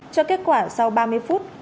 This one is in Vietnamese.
cho kết quả sau ba mươi phút